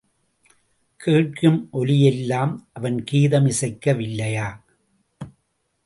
கேட்கும் ஒலியிலெல்லாம் அவன் கீதம் இசைக்க வில்லையா?